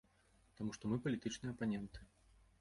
Таму што мы палітычныя апаненты.